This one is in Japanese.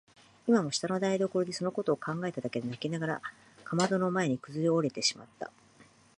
今も下の台所でそのことを考えただけで泣きながらかまどの前にくずおれてしまった。